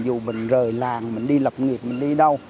dù mình rời làng mình đi lập nghiệp mình đi đâu